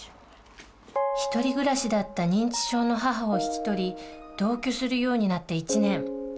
１人暮らしだった認知症の母を引き取り同居するようになって１年。